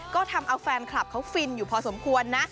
ก็ทำเอาแฟนคลับเขาฟินอยู่พอสมควรนะ